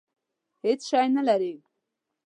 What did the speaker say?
هېڅ شی نه لري.